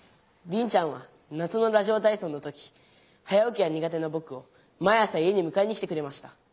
リンちゃんは夏のラジオ体操の時早おきがにが手なぼくを毎朝家にむかえに来てくれました。